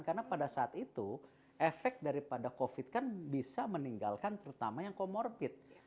karena pada saat itu efek daripada covid kan bisa meninggalkan terutama yang comorbid